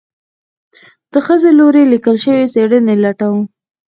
د ښځې لوري ليکل شوي څېړنې لټوم